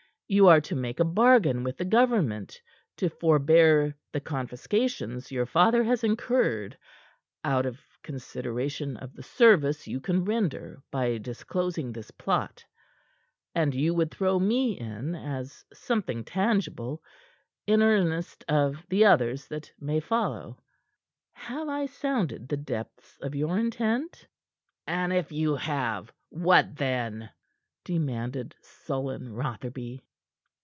You are to make a bargain with the government to forbear the confiscations your father has incurred out of consideration of the service you can render by disclosing this plot, and you would throw me in as something tangible in earnest of the others that may follow. Have I sounded the depths of your intent?" "And if you have what then?" demanded sullen Rotherby.